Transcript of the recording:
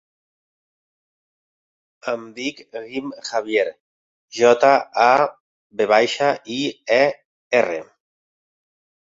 Em dic Guim Javier: jota, a, ve baixa, i, e, erra.